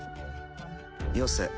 よせ。